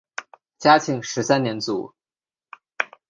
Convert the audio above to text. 嘉庆十三年卒。